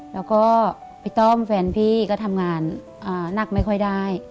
แล้วก็พี่ต้อมแฟนพี่ก็ทำงานหนักไม่ค่อยได้